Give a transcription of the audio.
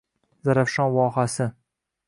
Zarafshon vohasi